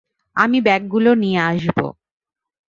আমি ব্যাগগুলো নিয়ে আসব।